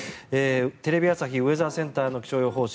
テレビ朝日ウェザーセンターの気象予報士